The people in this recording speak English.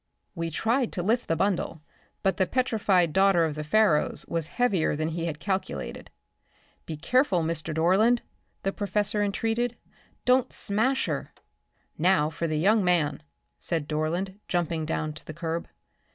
We tried to lift the bundle, but the petrified daughter of the Pharaohs was heavier than he had calculated. "Be careful, Mr. Dorland," the professor entreated; "don't smash her." "Now for the young man," said Dorland, jumping down to the curb.